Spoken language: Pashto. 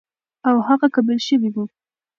او هغه قبول شوی و،